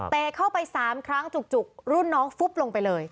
เข้าไป๓ครั้งจุกรุ่นน้องฟุบลงไปเลย